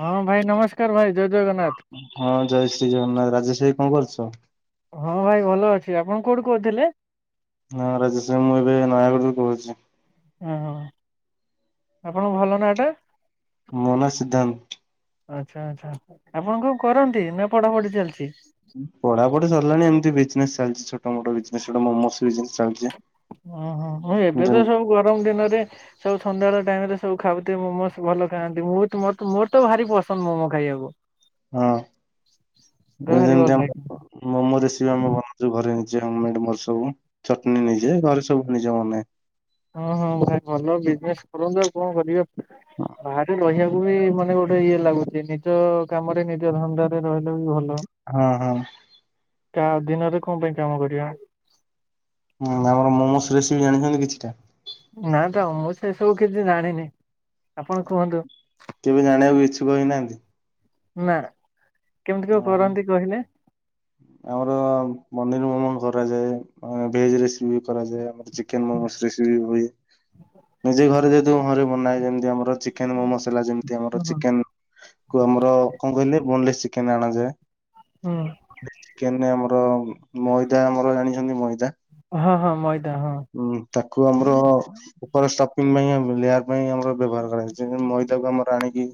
ହଁ ଭାଇ ନମସ୍କାର ଭାଇ ଜୟ ଜଗନ୍ନାଥ। ହଁ ଜୟ ଶ୍ରୀ ଜଗନ୍ନାଥ ରାଜେଶ ଭାଈ କଣ କରୁଛ? ହଁ ଭାଇ ଭଲ ଅଛି। ଆପଣ କୋଉଠୁ କହୁଥିଲେ? ହଁ ରାଜେଶ ଭାଈ ମୁଁ ଏବେ ନୟାଗଡ଼ରୁୁ କହୁଛି। ଓ ହ ଆପଣଙ୍କ ଭଲ ନାଆ ଟା? ମୋ ନାଁ ସିଦ୍ଧାନ୍ତ। ଆଚ୍ଛା ଆଚ୍ଛା। ଆପଣ କଣ କରନ୍ତି ନା ପଢାପଢି ଚାଲିଛି? ପଢାପଢି ସରିଲାଣି ଏମତି ବିଜନେସ୍ ଚାଲିଛି ଛୋଟ ମୋଟ ବିଜନେସ୍ ଗୋଟେ ମୋମୋସ୍ ବିଜନେସ୍ ଚାଲିଚି। ହଁ ହ‍ଁ ମୁଁ ଏବେ ତ ସବୁ ଗରମ ଦିନରେ ସବୁ ସନ୍ଧ୍ୟାବେଳେ ଟାଇମ ରେ ସବୁ ଖାଉଥିବେ ମୋମୋସ୍ ଭଲ ଖାଆନ୍ତି ମୁଁ ତ ମୋର ତ ମୋର ତ ଭାରି ପସନ୍ଦ ମୋମୋ ଖାଇବାକୁ। ମତେ ହଁ ଭାରି ଭଲ ଯେମିତି ଲାଗେ ଆମ ମୋମୋ ରେସିପି ଆମେ ବନା ଯୋଉ ଘରେ ନିଜେ ଆମର ହୋମ୍ ମେଡ୍ ମୋର ସବୁ ଚଟନି ନିଜେ ଘରେ ସବୁ ନିଜେ ବନାଏ। ହଁ ହଁ ଭାଇ ଭଲ ବିଜନେସ୍ କରନ୍ତୁ ଆଉ କଣ କରିବ, ହଁ ବାହାରେ ରହିବାକୁ ବି ମାନେ ଗୋଟେ ଇଏ ଲାଗୁଚି ନିଜ କାମରେ ନିଜ ଧନ୍ଦା ରହିଲେ ବି ଭଲ। ହଁ କା ଦିନରେ କଣ ପାଇଁ କାମ କରିବା, ହୁଁ ଆମର ମୋମୋସ୍ ରେସିପି ଜାଣିଛନ୍ତି କିଛିଟା? ନା ତ ମୁଁ ସେ ସବୁ କିଛି ଜାଣିନି ଆପଣ କୁହନ୍ତୁ? କେବେ ଜାଣିବାକୁ ଇଚ୍ଛୁକ ହେଇନାହାନ୍ତି? ନା, କେମିତି କ ଓହୋ କରନ୍ତି କହିଲେ? ଆମର ପନିର ମୋମମ କରାଯାଏ ଆଁ ଭେଜ ରେସିପି ବି କରାଯାଏ ଆମର। ଚିକେନ ମୋମସ୍ ରେସିପି ହୁଏ, ନିଜେ ଘରେ ଯେହେତୁ ମୁଁ ଘରେ ବନାଏ ଯେମିତି ଆମର ଚି ଚିକେନ ମୋମସ୍ ହେଲା ଯେମତି ଆମର ହୁଁ ହୁଁ ଚେକେନ କୁ ଆମର କଣ କହିଲେ ବୋନଲେସ ଚିକେନ ଅଣାଯାଏ। ହୁଁ। ଚିକେନ ରେ ଆମର ମଇଦା ଆମର ଜାଣିଛନ୍ତି ମଇଦା। ହଁ ହଁ ମଇଦା ହଁ। ହୁଁ ତାକୁ ଆମର ଉପରେ ଷ୍ଟପ [unintelligible] ପାଇଁ ଲେୟାର ପାଇଁ ଆମର ବ୍ୟବହାର କରାଯାଏ, ଯେମିତି ମଇଦାକୁ ଆମର ଆଣିକି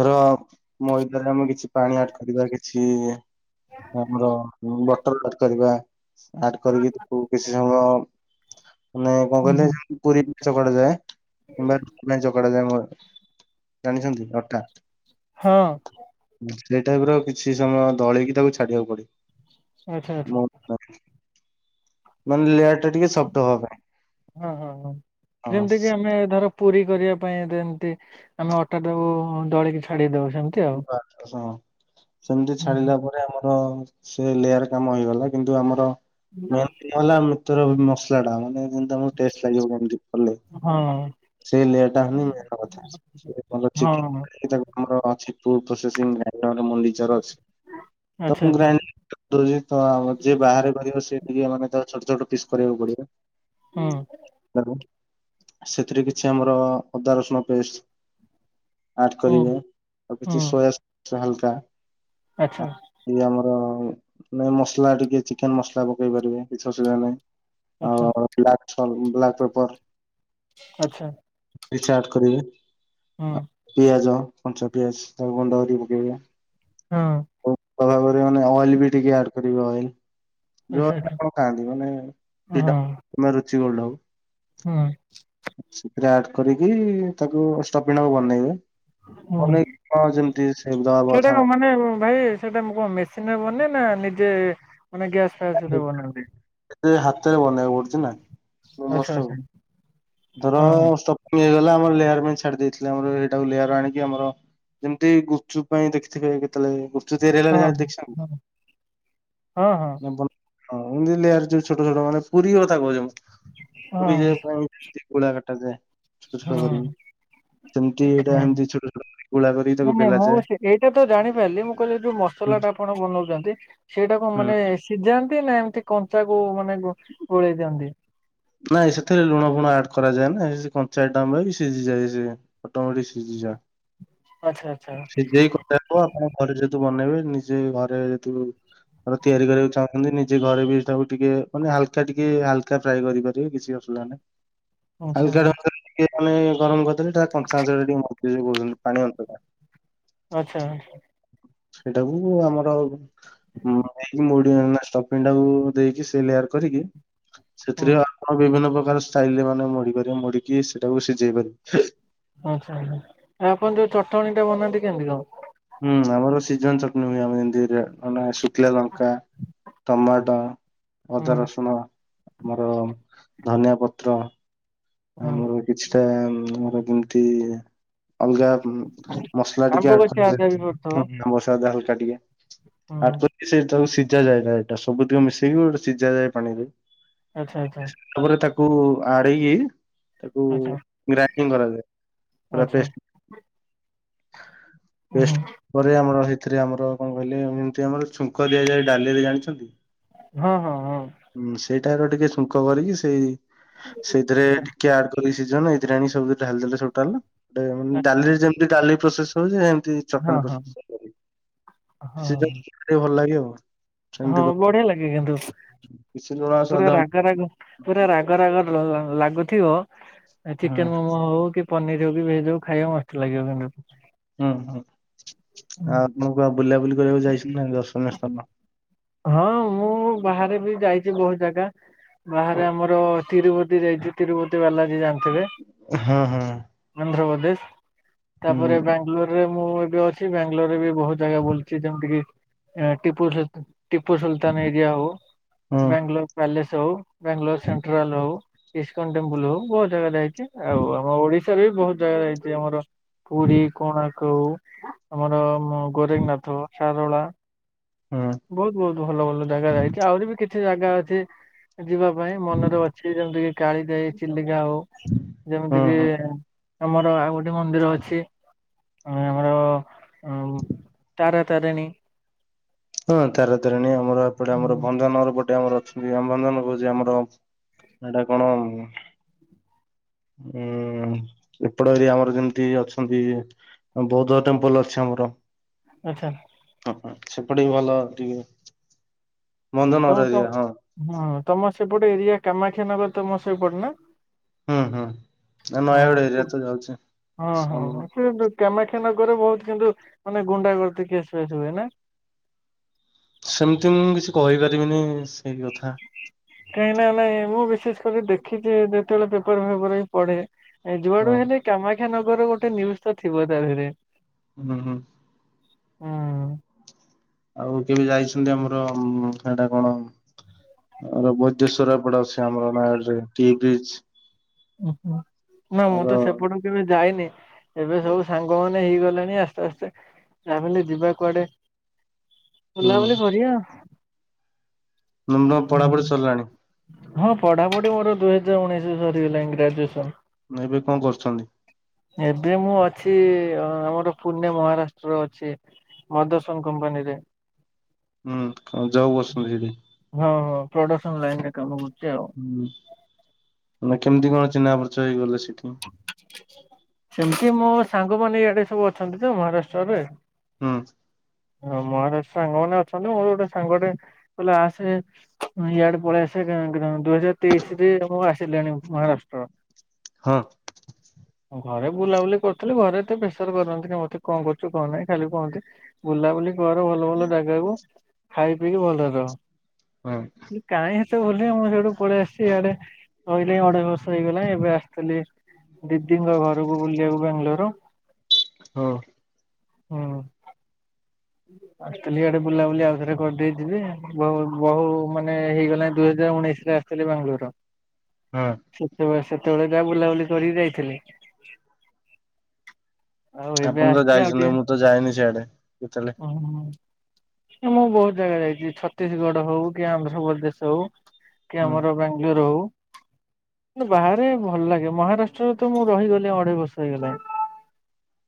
ଧର ମଇଦାରେ ଆମେ କିଛି ପାଣି ଆଡ କରିବା କିଛି ଆମର ବଟଲ ଆଡ କରିବା ଆଡ କରିକି ତାକୁ କିଛି ସମୟ ମାନେ କଣ ହୁଁ ହୁଁ କହିଲେ ପୁରୀ ଚକଡା ଯାଏ କିମ୍ବା [unintelligible] ଯାଏ ମ ଜାଣିଛନ୍ତି ଅଟା ହଁ। ସେଇ ଟାଇପ ର କିଛି ସମୟ ଦଳେଇକି ତାକୁ ଛାଡିବାକୁ ପଡିବ। ଆଚ୍ଛା ଆଚ୍ଛା ମ ମ ମାନେ ଲେଟ ହଁ ହଁ ହଁ ହଁ ଯେମିତି କି ଆମେ ଧର ପୁରୀ କରିବା ପାଇଁ ଯେମିତି ଆମେ ଅଟା ଟାକୁ ଦଳିକି ଛାଡ଼ିଦଉ ସେମିତି ଆଉ। ହଁ ସେମିତି ହୁଁ ଛାଡିଲା ପରେ ଆମର ସେ ଲେୟାର କାମ ହେଇଗଲା କିନ୍ତୁ ଆମର ହୁଁ। ମେନ [unintelligible] କେବଳ ମସଲାଟା ମାନେ ଯେମିତି ତମକୁ ଟେଷ୍ଟ ଲାଗିବ କେମିତି କଲେ ହଁ। ସେ ଲେୟାର ଟା ହନି ମେନ କଥା, ସେ ଭଲ ହଁ ଚିକେନ କରିକି ଦବ। ଆମର ଅଛି ଫୁଡ ପ୍ରୋସେସିଂ [unintelligible] ମଣ୍ଡିଚର ଅଛି। ଆଚ୍ଛା ଆଚ୍ଛା। [unintelligible] କଣ ଯିଏ ବାହାରେ କରିବ ସେ ଟିକେ ମାନେ ତାକୁ ଛୋଟ ଛୋଟ ପିସ୍ କରିବାକୁ ପଡିବ। ହୁଁ ହଁ। ଏଥିରେ କିଛି ଆମର ଅଦା ରସୁଣ ପେଷ୍ଟ ଆଡ ହୁଁ କରିବେ ଆଉ କିଛି ହୁଁ ସୋୟା ସକସ୍ ହାଲକା ଆଚ୍ଛା। ଇ ଆମର ନ ମସଲା ଟିକେ ଚିକେନ ମସଲା ପକେଇ ପାରିବେ କିଛି ଅସୁବିଧା ନାହିଁ। ଆଚ୍ଛା। ବ୍ଲାକଛଲ୍ ବ୍ଲାକପେପର। ଆଚ୍ଛା। କିଛି ଆଡ କରିବେ? ହୁଁ ପିଆଜ କଞ୍ଚା ପିଆଜ ତାକୁ ଗୁଣ୍ଡ କରି ପକେଇବେ। ହଁ। ଉପରେ ମାନେ ଅଏଲ ବି ଟିକେ ଆଡ କରିବେ ଅଏଲ। ଯୋଉ ଆଚ୍ଛା ଆପଣ ଆଚ୍ଛା ମାନେ ଖାଆନ୍ତି ମାନେ ହଁ ଫ୍ରିଡମ ନା ରୁଚିଗୋଲ୍ଡ ହଉ। ହୁଁ। ସେଥିରେ ଆଡ କରିକି ତାକୁ ଷ୍ଟପିଣକୁ ବନେଇବେ। ହୁଁ ବନେଇକି ହଁ ଯେମିତି ସେପ୍ ଦବା ସେଇଟା କଥା କଣ ମାନେ ଭାଇ ସେଇଟା ମୁଁ କଣ ମେସିନ ରେ ବନେଇବେ ନା ନିଜେ ମାନେ ଗ୍ୟାସ୍ ଫ୍ୟାସ୍ ବନାନ୍ତି? ଏ ହାତରେ ବନେଇବାକୁ ପଡୁଛି ନା। ମୋମୋସ୍ ଆଛା ଟାକୁ। ଆଛା। ଧର ଷ୍ଟପିଂ ହେଇଗଲା ଆମର ଲେୟାର ପାଇଁ ଛାଡି ଦେଇଥିଲେ ଆମର ସେଇଟାକୁ ଲେୟାର ଆଣିକି ଆମର ଯେମିତି ଗୁପଚୁପ ପାଇଁ ଦେଖିଥିବେ କେତେବେଳେ ଗୁ ଯଦି ରେଳରେ ହଁ ଯାଏ ଦେଇଛନ୍ତି ହଁ ହଁ। ହଁ ହଁ ନା [unintelligible] ହଁ ଏମିତି ଲେୟାର ଯୋଉ ଛୋଟ ଛୋଟ ମାନେ ପୁରୀ କଥା କହୁଛି ମୁଁ ପୁରୀ ଯିବା ପାଇଁ ଏମିତି ଗୁଳା କଟାଯାଏ ଛୋଟ ହଁ ଛୋଟ କରିକି। ସେମିତି ଏଇଟା ହଁ ଏମିତି ଛୋଟ ଛୋଟ କରି ଗୁଳା କରିକି ତାକୁ ନାଇଁ ନାଇଁ ମୁଁ ବେଲାଯାଏ। ସେ ଏଇଟା ତ ଜାଣିପାରିଲି ମୁଁ କହିଲି ଯୋଉ ହୁଁ ମସଲା ଟା କଣ ବନଉଛନ୍ତି ସେଇଟାକୁ ହୁଁ ମାନେ ସିଝାନ୍ତି ନା ଏମିତି କଞ୍ଚା କୁ ମାନେ ମାନେ ଗୋ ଗୋଳେଇ ଦିଅନ୍ତି। ନାଇଁ ସେଥିରେ ଲୁଣ ଫୁଣ ଆଡ କରାଯାଏ ନା ସେ କଞ୍ଚା ଆଇଟମ୍ ରେ ବି ସିଝିଯାଏ ସେ ଅଟୋ ମେଟିକି ସିଝିଯାଏ। ଆଚ୍ଛା ଆଚ୍ଛା। ସିଜେଇ କଞ୍ଚା ହବ ଆପଣ ଘରେ ଯେହେତୁ ବନେଇବେ ନିଜେ ଘରେ ଯେହେତୁ। ତିଆରି କରିବାକୁ ଚାହୁଁଛନ୍ତି ନିଜେ ଘରେ ବି ତାକୁ ଟିକେ ମାନେ ହାଲକା ଟିକେ ହାଲକା ଫ୍ରାଏ କରିବେ କିଛି ଅସୁବିଧା ଆଚ୍ଛା ନାହିଁ। [inaudible] ହା ଟ ମାନେ ଗରମ କରିଦେଲେ ତା କଞ୍ଚା ଅଂଶ ଟିକେ ମ [unintelligible] କରଛନ୍ତି ପାଣି [unintelligible] ଆଛା ଆଚ୍ଛା। ସେଇଟାକୁ ଆମର ହୁଁ [unintelligible] ଟାକୁ ଦେଇକି ସେ ଲେୟାର କରିକି [unintelligible] ହୁଁ ସେଥିରେ ଆପଣ ବିଭିନ୍ନ ପ୍ରକାର ଷ୍ଟାଇଲରେ ମାନେ ମଡି ପାରିବେ ମଡିକି ସେଟାକୁ ସିଝେଇ ପାରିବେ। ଆଚ୍ଛା ଆପଣ ଯୋଉ ଚଟଣି ଟା ବନାନ୍ତି କେମିତି କଣ? ହୁଁ ଆମର ସିଜନ ଚଟଣି ହୁଏ ଆମେ ରେ ଯେମିତି ମାନେ ଶୁଖିଲା ଲଙ୍କା, ଟମାଟୋ, ହୁଁ ଅଦା, ରସୁଣ ଆମର ଧନିଆ ପତ୍ର ହୁଁ ଆମର କିଛିଟା ଆମର [unintelligible] ଅଲଗା ମସଲା ଟିକେ ଆମ୍ବ ଆଡ କଷି ଆଚାର ବି କରିଦେଲେ ପଡୁଥିବ ଟିକେ [unintelligible] ଆଡ ହୁଁ କରିକି ସେ ତାକୁ ସିଝାଯାଏ ଏଇଟା ସବୁଥିରେ ମିଶେଇକି ଗୋଟେ ସିଝା ଯାଏ ପାଣିରେ। ଆଚ୍ଛା ଆଛା। ତାପରେ ତାକୁ ଆଡେଇକି ତାକୁ ଆଚ୍ଛା। ଗ୍ରାଇଡିଙ୍ଗ କରାଯାଏ ପୁରା ଆଚ୍ଛା ପେଷ୍ଟ। ପେଷ୍ଟ ପରେ ଆମର ସେଇଥିରେ ଆମର କଣ କହିଲେ ଏମିତି ଆମର ଛୁଙ୍କ ଦିଆଯାଏ ଡାଲିରେ ଜାଣିଛନ୍ତି? ହଁ ହଁ ହଁ। ହୁଁ ସେଇଟାରେ ଟିକେ ଛୁଙ୍କ କରିକି ସେଇ ସେଥିରେ ଟିକେ ଆଡ଼ କରିକି ସିଜେଇଲେ ଏଇଥିରେ ଆଣିକି ସବୁ ଢାଳି ଦେଲେ ଟୋଟାଲ ଟା ଏ ଆଚ୍ଛା ଡାଲି ଯେମିତି ଡାଲି ପ୍ରସେସ ହଉଛି ଏମତି ହଁ ଚଟନି ହଁ ପ୍ରସେସ ବି କରିବେ। ହଁ ସେଟା ଭଲ ଲାଗେ ଆଉ। ହଁ ସେମିତି ବଢିଆ ଲାଗେ କିନ୍ତୁ କିଛି ଜଣା ପୁରା ସାଧା ରାଗ ରାଗ। ପୁରା ରାଗ ରାଗ ଲ ଲାଗୁଥିବ ହୁଁ ଚିକେନ ମୋମୋ ହଉ କି ପନିର ହଉ ଭେଜ୍ ହଉ ଖାଇବା ହୁଁ ହୁଁ ହଁ। ହୁଁ। ଆପଣ କୁଆଡେ ବୁଲା ବୁଲି କରିବାକୁ ଯାଇଛି ନା ଦର୍ଶନୀୟ ସ୍ଥାନ? ହଁ ମୁଁ ବାହାରେ ବି ଯାଇଛି ବହୁତ ଜାଗା। ବାହାରେ ଆମର ତିରୁପତି ଯାଇଛୁ ତିରୁପତି ବାଲାଜି ଯାଆନ୍ତୁ। ହଁ ହଁ। ଆନ୍ଧ୍ରପ୍ରଦେଶ ହୁଁ ତାପରେ ବାଙ୍ଗଲୋର ମୁଁ ଏବେ ଅଛି। ବାଙ୍ଗାଲୋରରେ ବି ବହୁତ ଜାଗା ବୁଲିଛି ଯେମିତି ଟିପୁ ଟିପୁ ସୁଲତାନ ଏରିଆ ହଉ ହୁଁ ବାଙ୍ଗାଲୋର ପ୍ୟାଲେସ୍ ହଉ ବାଙ୍ଗାଲୋର ସେଣ୍ଟ୍ରାଲ ହଉ। ଇସ୍କନ ଟେମ୍ପୁଲ ହଉ ବହୁତ ଜାଗା ଯାଇଛି। ଆଉ ଆମ ଓଡିଶାରେ ବି ବହୁତ ଜାଗା ଯାଇଛି ଆମର ପୁରୀ କୋଣାର୍କ ହଉ ଆମର ଗୋରେଖନାଥ, ସାରଳା ହୁଁ ବହୁତ ବହୁତ ଭଲ ଭଲ ଜାଗା ଯାଇଛି ଆହୁରି ବି କିଛି ଜାଗା ଅଛି। ଯିବା ପାଇଁ ମନରେ ଅଛି ଯେମିତି କିି କାଳିଯାଇ, ଚିଲିକା ହଉ ହୁଁ ଯେମିତିକି ହୁଁ। ଆମର ଆଉ ଗୋଟେ ମନ୍ଦିର ଅଛି? ଆମର ଆଉ ତାରା ତାରିଣୀ। ହଁ ତାରାତାରଣୀ, ଆମର ଏପଟେ ଆମର, ହୁଁ ଭଞ୍ଜନଗର ପଟେ ଆମର ଅଛି। ରାମ ଭଞ୍ଜନ କହୁଛି ଆମର ଏଇଟା କଣ ହୁଁ ଏପଟ ଏରିଆ ଆମର ଯେମିତି ଅଛନ୍ତି ବୌଦ୍ଧ ଟେମ୍ପଲ ଅଛି ଆମର। ଆଚ୍ଛା। ଓ ହ ସେପଟେ ବି ଭଲ ଟିକେ, ତମ ଭଞ୍ଜନଗର ତ ଏରିଆ ହଁ। ହଁ ତମର ସେପଟେ ଏରିଆ କାମାକ୍ଷାନଗର ତମ ସେପଟ ନା? ହୁଁ ହୁଁ। ନା [unintelligible] ନୟାଗଡ଼ ଏରିଆ ତ ଯାଉଛି। ହଁ ହଁ ହଁ। କାମାଖାନଗର ବହୁତ କିନ୍ତୁ ମାନେ ଗୁଣ୍ଡା ଗର୍ଦି କେସ ହଉଥିବା ନା? ସେମିତି ମୁଁ କିଛି କହିପାରିବିନି ସେଇ କଥା। କାହିଁକିନା ନାଇଁ ମୁଁ ବିଶେଷ କରି ଦେଖିଛି, ଯେତେବେଳେ ପେପର ଫେପର ହିଁ ପଢେ। ଏ ହଁ ଯୁଆଡୁ ହେଲେ କାମାଖାନଗର ଗୋଟେ ନ୍ୟୁଜ ତ ଥିବ ତା ଦେହରେ। ହୁଁ ହୁଁ। ହୁଁ। ଆଉ କେବେ ଯାଇଛନ୍ତି ଆମର ସେଟା କଣ ଆର ବୈଦ୍ୟେଶରପଡା ଅଛି ଆମର ନୟାଗଡରେ ଟି ବ୍ରିଜ। ଉ ହୁଁ ନା ମୁଁ ଆମର ତେ ସେପଟେ କେବେ ଯାଇନି ଏବେ ସବୁ ସାଙ୍ଗ ମାନେ ହେଇଗଲେଣି ଆସ୍ତେ ଆସ୍ତେ [unintelligible] ଯିବା କୁଆଡେ। [inaudible] ବୁଲାବୁଲି କରିବା ପଢାପଢି ସରିଲାଣି? ହଁ ପଢାପଢି ମୋର ଦୁଇ ହଜାର ଉଣେଇଶ ସରିଗଲାଣି ଗ୍ରାଜୁଏସନ। ଏବେ କଣ କରୁଛନ୍ତି? ଏବେ ମୁଁ ଅଛି ଆମର ପୁନେ ମହାରାଷ୍ଟ୍ର ଅଛି। ମଦସନ କମ୍ପାନୀ ରେ। ହୁଁ କଣ ଯାଉ ବସିଛନ୍ତି ସେଇଠି? ହଁ ହଁ ପ୍ରଡକ୍ସନ ଲାଇନ ରେ କାମ କରୁଛି ଆଉ। ହୁଁ ମାନେ କେମିତି କଣ ଚିହ୍ନା ପରିଚୟ ହେଇଗଲେ ସେଠି? ସେମିତି ମୋ ସାଙ୍ଗ ମାନ ଇଆଡେ ସବୁ ଅଛନ୍ତି ତ ମହାରାଷ୍ଟ୍ରରେ। ହୁଁ। ହଁ ମହାରାଷ୍ଟ ସାଙ୍ଗ ମାନେ ଅଛନ୍ତି ମୋର ଗୋଟେ ସାଙ୍ଗେଟେ କଲେ ଆସେ ଇଆଡେ ପଳେଇ ଆସେ ଦୁଇ ହଜାର ତେଇଶି ରେ ଆମ ଆସ ସିଲାଣି ମହାରାଷ୍ଟ୍ର। [unintelligible] ଘରେ ବୁଲାବୁଲି କରିୁଥିଲି ଘରେ ଏତେ ପ୍ରେସର କରିନ୍ତିନି କି ମତେ କଣ କରୁଛ କଣ ନାହିଁ, ଖାଲି କୁହନ୍ତି ବୁଲାବୁଲି କର ଭଲ ଭଲ ଜାଗାକୁ, ଖାଇ ପିଇକି ଭଲରେ ରହ। ହଁ। କାହିଁ ସେତ ଭୁି ମୁଁ ସେଠୁ ପଳେଇ ଆସିଛି ଇଆଡେ କହିଲି ଅଡେ ବସ ହେଇଗଲା ଏବେ ଆ ଦିଦିଙ୍କ ଘରକୁ ବୁଲିବାକୁ ବାଙ୍ଗାଲୋର। ହଁ। ହୁଁ। ଆଷ୍ଟ୍ରେଲିଆ ଆଡ଼େ ବୁଲାବୁଲି ଆଉଥରେ କରିଦେଇ ଯିବି ବହୁ ବହୁ ମାନେ ହେଇଗଲା ଦୁଇ ହଜାର ଉଣେଇଶ ରେ [inaudible] ହଁ। ସେତେବେଳେ ସେତେବେଳେ ଯାହା ବୁଲାବୁଲି କରିକି ଯାଇଥିଲି। ଆଉ ଏବେ ଆପଣ ତ ଆସିଛି ଆଉ ଯାଇଛନ୍ତି ଟିକେ ମୁଁ ତ ଯାଇନି ସେଆଡ଼େ ଯେତେବେଳେ ମୁଁ ବହୁତ ଜାଗା ଯାଇଛି ଛତିଶଗଡ଼ ହଉ କି ଆନ୍ଧ୍ରପ୍ରଦେଶ ହଉ। କି ହୁଁ ଆମର ବାଙ୍ଗାଲୋର ହଉ। ବାହାରେ ଭଲ ଲାଗେ ମହାରାଷ୍ଟ୍ରରେ ତ ମୁଁ ରହିଗଲି ଅଢ଼େଇ ବର୍ଷ ହେଇଗଲାଣି।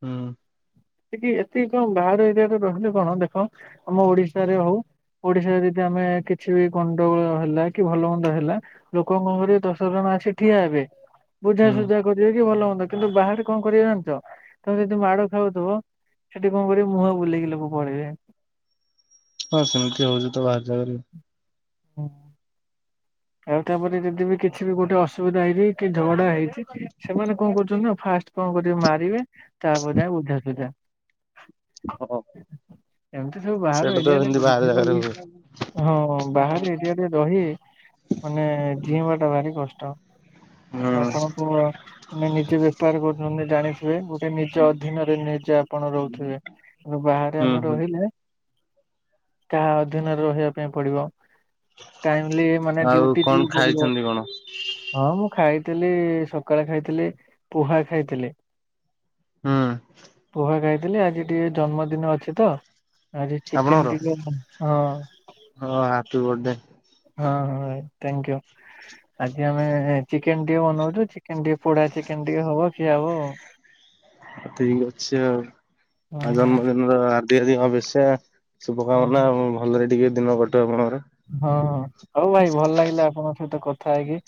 ହୁଁ। ସେଠି ଏତିିକି କଣ ବାହାର ଏରିଆରେ ରହିଲୁ କଣ ଦେଖ ଆମ ଓଡ଼ିଶାରେ ହଉ ଓଡ଼ିଶାରେ ଯଦି ଆମେ କିଛି ବି ଗଣ୍ଡଗୋଳ ହେଲା କି ଭଲ ମନ୍ଦ ହେଲା। ଲୋକଙ୍କ ଘରେ ଦସ ଜଣ ଆସି ଠିଆ ହେବେ। ହୁଁ ବୁଝାସୁଝା କରିବେ କି ଭଲ ମନ୍ଦ କିନ୍ତୁ ବାହାରେ କଣ କରିବେ ଜଣିଛ ତମେ ଯଦି ମାଡ଼ ଖାଉଥିବ ସେଠି କଣ କରିବି ମୁହଁ ବୁଲେଇକି ଲୋକ ପଳେଇବେ। ହଁ ସେମିତି ହଉଛି ତ ବାହାର ଜାଗାରେ। ହଁ। ଆଉ ତାପରେ ଯଦି ବି କିଛି ବି ଗୋଟେ ଅସୁବିଧା ହେଇଛି କି ଝଗଡ଼ା ହେଇଛି ସେମାନେ କଣ କରୁଛନ୍ତି ନା ଫାଷ୍ଟ କଣ କରିବେ ମାରିବେ ତାପରେ ଯାହା ବୁଝା ସୁୁଝା ହଁ ଏମିତି ସବୁ ବାହାର ସେଇଟା ତ ଏରିଆରେ ଏମିତି ବାହାର ରହିବା ଜାଗାରେ ବି ହୁଏ। ହଁ ବାହାରେ ଏରିଆରେ ରହି ମାନେ ଜିଇଁବା ଟା ଭାରି କଷ୍ଟ ହୁଁ ଆପଣଙ୍କୁ ମାନେ ନିଜେ ବେପାର କରୁଛନ୍ତି ଜାଣିଥିବେ ଗୋଟେ ନିଜ ଅଧୀନରେ ନିଜେ ଆପଣ ରହୁଥିବେ। ଆ ବାହାରେ ହୁଁ ଆମେ ହୁଁ ରହିଲେ କାହା ଅଧୀନରେ ରହିବା ପାଇଁ ପଡ଼ିବ ଟାଇମଲି ମାନେ ଡ୍ୟୁଟି ଆଉ କଣ ଯିବାକୁ ପଡ଼ିବ। ଖାଇଛନ୍ତି କଣ? ହଁ ମୁଁ ଖାଇଥିଲି ସକାଳେ ଖାଇଥିଲି ପୁହା ଖାଇଥିଲି। ହୁଁ ପୁହା ଖାଇଥିଲି ଆଜି ଟିକେ ଜନ୍ମଦିନ ଅଛି ତ ଆଜି ଚିକେନ ଆପଣଙ୍କର ଟିକେ, ହଁ ହଁ ହାପି ବର୍ଥଡେ ହଁ ହଁ ଥ୍ୟାଙ୍କୟୁ ଆଜି ଆମେ ଚିକେନ ଟିକେ ବନଉଛୁ ଚିକେ ଚିକେନ ଟିକେ ପୋଡ଼ା ଚିକେନ ଟିକେ ହବ ଖିଆ ହବ ଆଉ। ଆ ଠିକ ଅଛି ଆଉ ହଁ ଆ ଜନ୍ମଦିନର ହାର୍ଦ୍ଦିକ ଶୁଭେଚ୍ଛା। ଶୁଭ ହଁ କାମନା ଭଲରେ ଟିକେ ଦିନ କଟୁ ଆପଣଙ୍କର। ହଁ ହଁ ହୋଉ ଭାଇ ଭଲ ଲାଗିଲା ଆପଣଙ୍କ ସହିତ କଥା ହେଇକି।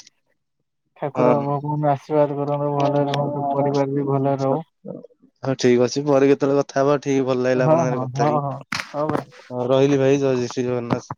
ଠାକୁର ହଁ। ଭଗବାନ ଆଶୀର୍ବାଦ କରନ୍ତୁ ଭଲରେ ରୁହନ୍ତୁ ପରିବାର ବି ଭଲରେ ରହୁ। ହଁ ଠିକ ଅଛି ପରେ କେତେବେଳେ କଥା ହବା ଠିକ ଭଲ ଲାଗିଲା ହଁ ଆପଣଙ୍କ ସାଙ୍ଗରେ ହଁ କଥା ହଁ ହଁ ହଉ ଭାଇ। ହେଇକି। ହଁ ରହିଲି ଭାଇ ଜୟ ଶ୍ରୀ ଜଗନ୍ନାଥ।